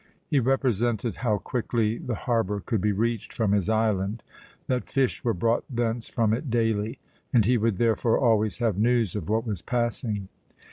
He represented how quickly the harbour could be reached from his island, that fish were brought thence from it daily, and he would therefore always have news of what was passing.